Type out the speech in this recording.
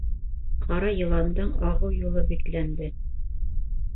Ҡара йыландың ағыу юлы бикләнде!